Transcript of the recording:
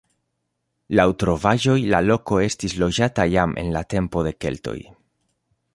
Laŭ trovaĵoj la loko estis loĝata jam en la tempo de keltoj.